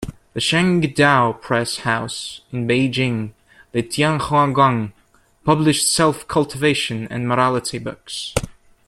The Shengdao press house in Beijing, the "Tianhuaguan", published self-cultivation and morality books.